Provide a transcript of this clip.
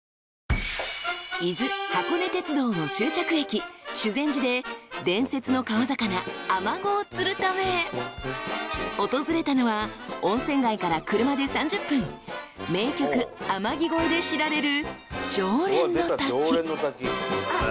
［伊豆箱根鉄道の終着駅修善寺で伝説の川魚あまごを釣るため訪れたのは温泉街から車で３０分名曲『天城越え』で知られる］